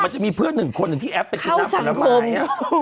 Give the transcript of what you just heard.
มันจะมีเพื่อนหนึ่งคนหนึ่งที่แอปไปกินน้ำมันอย่างนี้